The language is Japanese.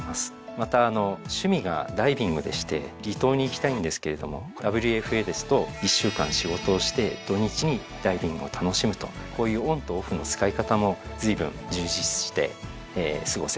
また趣味がダイビングでして離島に行きたいんですけれどもＷＦＡですと１週間仕事をして土日にダイビングを楽しむとこういうオンとオフの使い方もずいぶん充実して過ごせております。